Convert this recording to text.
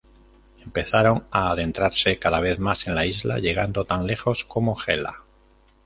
Empezaron a adentrarse cada vez más en la isla, llegando tan lejos como Gela.